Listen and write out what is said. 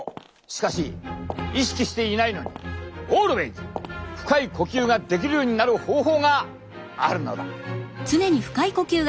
しかし意識していないのにＡｌｗａｙｓ深い呼吸ができるようになる方法があるのだ。